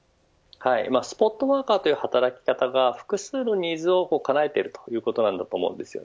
スポットワーカーという働き方が複数のニーズをかなえているということだと思います。